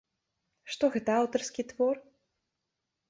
Што гэта аўтарскі твор?